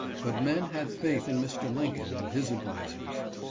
But men had faith in Mr. Lincoln and his advisers.